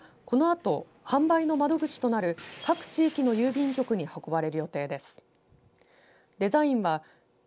年賀はがきはこのあと販売の窓口となる各地域の郵便局に運ばれる予定です。